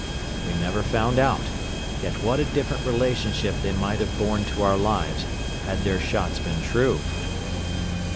We never found out; yet what a different relationship they might have borne to our lives, had their shots been true!